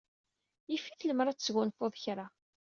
Yif-it lemmer ad tesgunfuḍ kra.